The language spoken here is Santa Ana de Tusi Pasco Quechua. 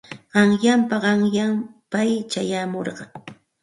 Qanyanpa qanyan pay chayamurqa.